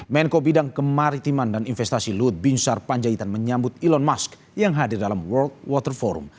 menko bidang kemaritiman dan investasi luhut binsar panjaitan menyambut elon musk yang hadir dalam world water forum